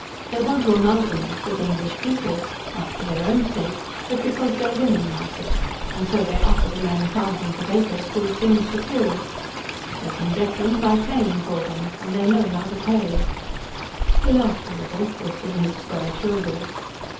They want to amalgamate with English people, not for their own sake, but because their women like it, and so they offer the men thousands of acres full of things to kill. They can get them by paying for them, and they know how to pay." He laughed a little, lifting his square shoulders.